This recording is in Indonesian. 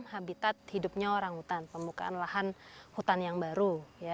habitat hidupnya orangutan pembukaan lahan hutan yang baru